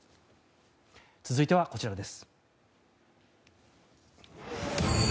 続いてはこちらです。